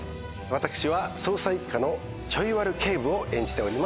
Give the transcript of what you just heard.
私は捜査一課のちょい悪警部を演じております。